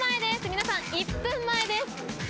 皆さん１分前です！